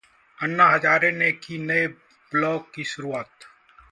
अन्ना हजारे ने की नए ब्लॉग की शुरुआत